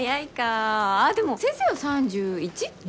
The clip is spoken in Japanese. あっでも先生は３１？２？